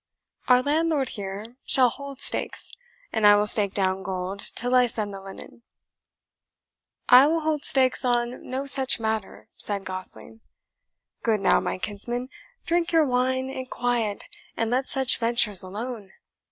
Our landlord here shall hold stakes, and I will stake down gold till I send the linen." "I will hold stakes on no such matter," said Gosling. "Good now, my kinsman, drink your wine in quiet, and let such ventures alone.